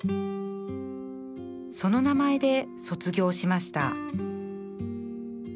その名前で卒業しました